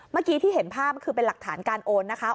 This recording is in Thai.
เมื่อกี้ที่เห็นภาพคือเป็นหลักฐานการโอนนะคะ